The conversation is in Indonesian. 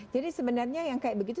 jadi sebenarnya yang kayak begitu